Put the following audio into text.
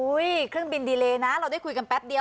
เครื่องบินดีเลนะเราได้คุยกันแป๊บเดียว